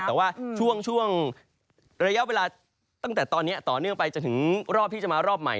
แต่ว่าช่วงระยะเวลาตั้งแต่ตอนนี้ต่อเนื่องไปจนถึงรอบที่จะมารอบใหม่